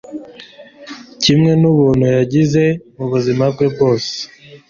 kimwe n'ubuntu yagize mu buzima bwe bwose